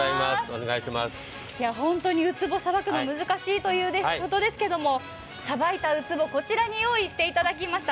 本当にうつぼをさばくのは難しいということですけどもさばいたうつぼ、こちらに用意していただきました。